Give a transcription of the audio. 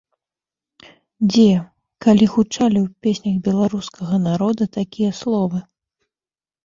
Дзе, калі гучалі ў песнях беларускага народа такія словы?